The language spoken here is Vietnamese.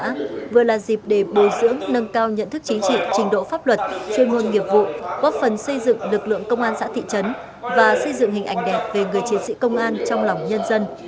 hôm nay vừa là dịp để bồi dưỡng nâng cao nhận thức chính trị trình độ pháp luật chuyên môn nghiệp vụ góp phần xây dựng lực lượng công an xã thị trấn và xây dựng hình ảnh đẹp về người chiến sĩ công an trong lòng nhân dân